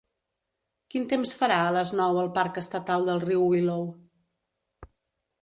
Quin temps farà a les nou al parc estatal del riu Willow?